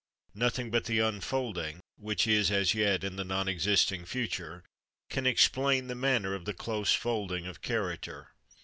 Nothing but the unfolding, which is as yet in the non existing future, can explain the manner of the close folding of character.